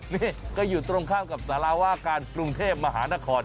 นี่ก็อยู่ตรงข้ามกับสารวาการกรุงเทพมหานคร